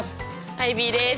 アイビーです。